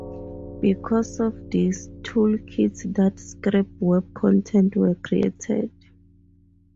Because of this, tool kits that scrape web content were created.